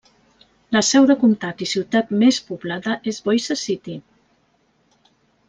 La seu de comtat i ciutat més poblada és Boise City.